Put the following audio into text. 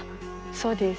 そうです。